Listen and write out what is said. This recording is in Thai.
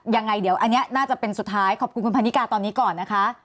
ยังไงเดี๋ยวอันนี้น่าจะเป็นสุดท้ายขอบคุณคุณพันนิกาตอนนี้ก่อนนะคะ